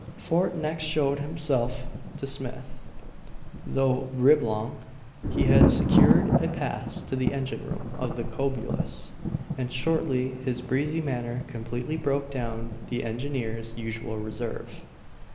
Fort next showed himself to Smith, through Reblong. He had secured a pass to the engine room of the Cobulus; and shortly his breezy manner completely broke down the engineer's usual reserve.